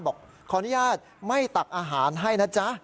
บอกขออนุญาตไม่ตักอาหารให้นะจ๊ะ